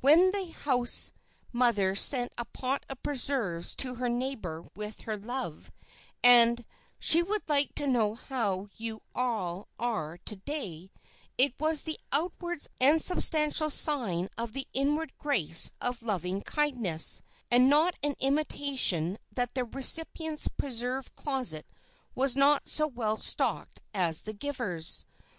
When the house mother sent a pot of preserves to her neighbor with her love, and "she would like to know how you all are to day," it was the outward and substantial sign of the inward grace of loving kindness, and not an intimation that the recipient's preserve closet was not so well stocked as the giver's.